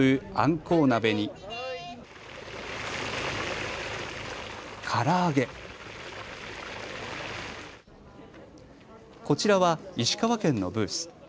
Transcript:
こちらは石川県のブース。